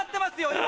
今。